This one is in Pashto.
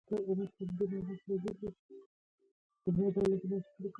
هر ساعت په چاور دانگی، هره ورځ په چا ورلویږی